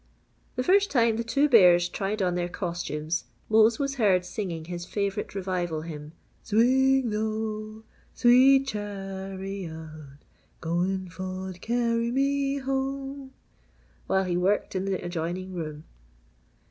The first time the two bears tried on their costumes, Mose was heard singing his favourite revival hymn, "Swing low, sweet chariot, goin' fo' t'carry me home," while he worked in the adjoining room.